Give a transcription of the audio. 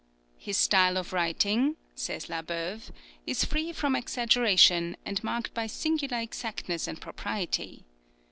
"His style of writing," says La Beuve, "is free from exaggeration, and marked by singular exactness and propriety.